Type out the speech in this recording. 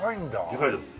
でかいです。